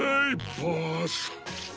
ボス。